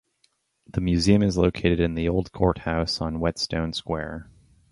The museum is located in the Old Courthouse on Whetstone Square.